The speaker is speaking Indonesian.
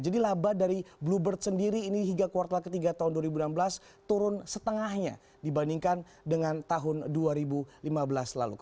jadi laba dari bluebird sendiri ini hingga kuartal ketiga tahun dua ribu enam belas turun setengahnya dibandingkan dengan tahun dua ribu lima belas lalu